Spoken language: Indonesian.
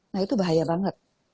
nah itu bahaya banget